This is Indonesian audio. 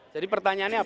jadi pertanyaannya apa